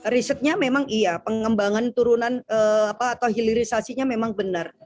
risetnya memang iya pengembangan turunan atau hilirisasinya memang benar